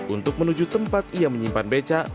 untuk menuju tempat ia menyimpan beca